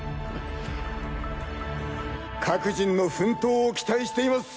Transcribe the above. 各人の奮闘を期待しています。